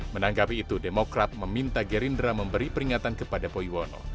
menanggapi itu demokrat meminta gerindra memberi peringatan kepada boyono